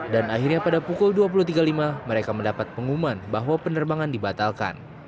dan akhirnya pada pukul dua puluh tiga puluh lima mereka mendapat pengumuman bahwa penerbangan dibatalkan